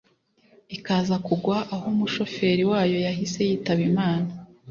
ikaza kugwa aho umushoferi wayo yahise yitaba Imana